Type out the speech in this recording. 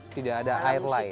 tidak ada air lain